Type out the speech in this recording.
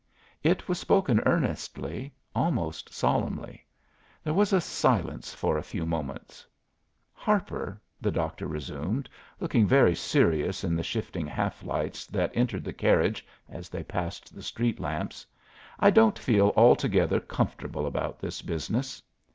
It was spoken earnestly, almost solemnly. There was a silence for a few moments. "Harper," the doctor resumed, looking very serious in the shifting half lights that entered the carriage as they passed the street lamps, "I don't feel altogether comfortable about this business.